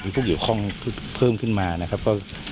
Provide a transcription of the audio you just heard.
มีพวกเหยียวข้องเพิ่มขึ้นมานะครับก็